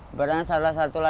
ibaratnya salah satulah